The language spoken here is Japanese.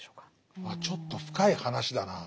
ちょっと深い話だなあ。